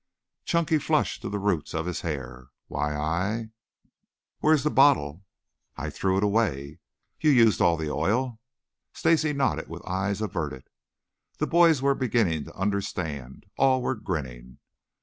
Chunky flushed to the roots of his hair. "Why I I " "Where is the bottle?" "I I threw it away." "You used all the oil?" Stacy nodded, with eyes averted. The boys were beginning to understand. All were grinning.